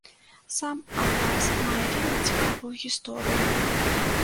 Сам абраз мае вельмі цікавую гісторыю.